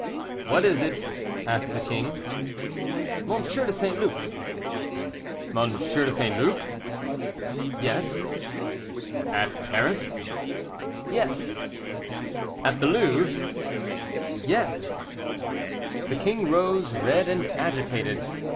"What is it?" asked the king. "M. de St. Luc." "M. de St. Luc?" "Yes." "At Paris?" "Yes." "At the Louvre?" "Yes." The king rose, red and agitated.